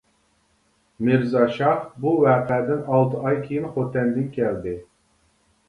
مىرزا شاھ بۇ ۋەقەدىن ئالتە ئاي كېيىن خوتەندىن كەلدى.